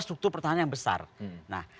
struktur pertahanan yang besar nah